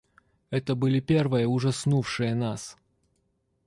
Это были первые, ужаснувшие нас.